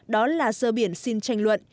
đó là sơ biển xin tranh luận